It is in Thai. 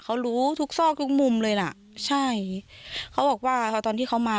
เขารู้ทุกซอกทุกมุมเลยน่ะใช่เขาบอกว่าพอตอนที่เขามา